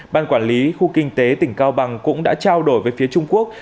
ban quản lý khu kinh tế tỉnh cao bằng cũng đã trao đổi với phía trung quốc